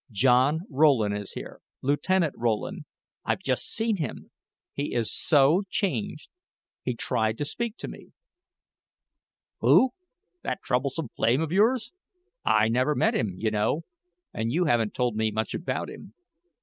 "John Rowland is here Lieutenant Rowland. I've just seen him he is so changed he tried to speak to me." "Who that troublesome flame of yours? I never met him, you know, and you haven't told me much about him.